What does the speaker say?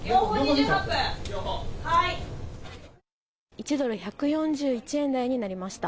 １ドル＝１４１円台になりました。